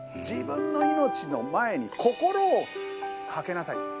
自分の命の前に心を懸けなさい。